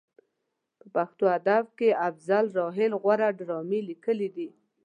په پښتو ادب کې افضل راحل غوره ډرامې لیکلې دي.